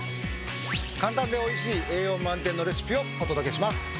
簡単でおいしい栄養満点のレシピをお届けします。